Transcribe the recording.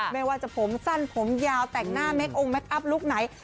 ไม่ว่าจะผมสั้นผมยาวแต่งหน้าแม็กโอ้งแม็กอัพลูกไหน